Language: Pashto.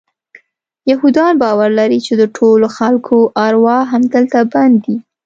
یهودان باور لري چې د ټولو خلکو ارواح همدلته بند دي.